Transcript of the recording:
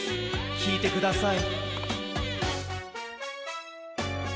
きいてください。